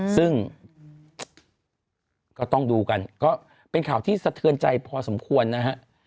ซึ่งก็ต้องดูกันก็เป็นข่าวที่สะเทือนใจพอสมควรนะฮะ